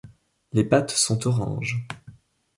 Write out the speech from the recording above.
Les pattes sont orange.